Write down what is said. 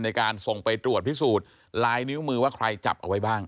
ในการส่งไปตรวจพิสูจน์ลายนิ้วมือว่าใครจับเอาไว้บ้าง